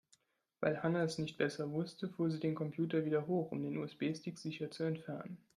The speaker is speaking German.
Weil Hanna es nicht besser wusste, fuhr sie den Computer wieder hoch, um den USB-Stick sicher zu entfernen.